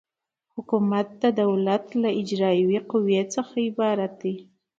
حکومت د دولت له اجرایوي قوې څخه عبارت دی.